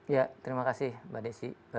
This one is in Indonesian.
ya terima kasih mbak desi